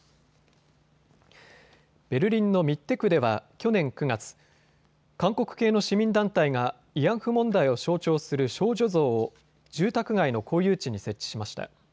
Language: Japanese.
ベルリンのミッテ区では去年９月、韓国系の市民団体が慰安婦問題を象徴する少女像を住宅街の公有地に設置しました。